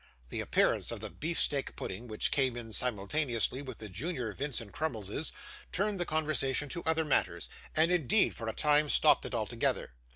The appearance of the beef steak pudding, which came in simultaneously with the junior Vincent Crummleses, turned the conversation to other matters, and indeed, for a time, stopped it altogether.